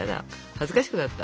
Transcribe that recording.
恥ずかしくなった。